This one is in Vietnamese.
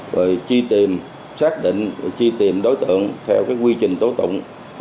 và chi tìm xác định và chi tìm đối tượng theo quy trình tố tụng